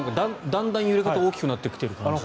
だんだん揺れ方が大きくなってきている感じで。